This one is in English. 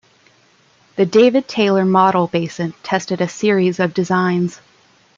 The David Taylor Model Basin tested a series of designs.